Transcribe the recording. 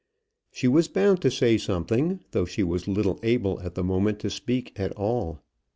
She was bound to say something, though she was little able at the moment to speak at all.